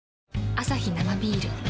アサヒ生ビール